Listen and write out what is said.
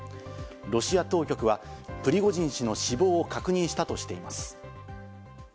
ロシア当局はプリゴジン氏の死亡を確認したとしています。